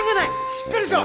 しっかりしろ！